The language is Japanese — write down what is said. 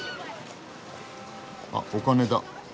あお金だ。